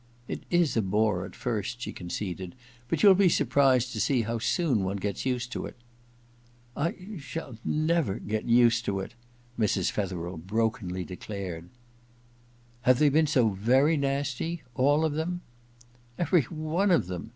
* It is a bore at first,' she conceded ;* but you'll be surprised to see how soon one gets used to it.' *I shall — never — get — used to it,' Mrs. Fetherel brokenly declared. * Have they been so very nasty — ^all of them? ' in EXPIATION . loi * Every one of them